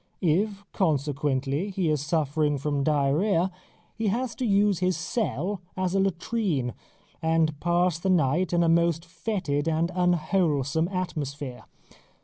If, consequently, he is suffering from diarrhoea, he has to use his cell as a latrine, and pass the night in a most fetid and unwholesome atmosphere.